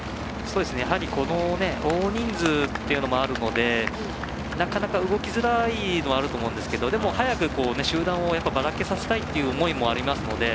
やはり、この大人数っていうのもあるのでなかなか、動きづらいのはあると思うんですけどでも、早く集団をバラけさせたいという思いもありますので。